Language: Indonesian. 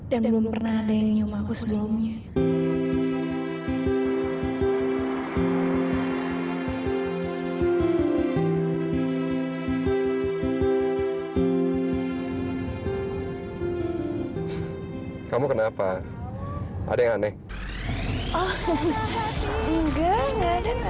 dan belum pernah ada yang nyium aku sebelumnya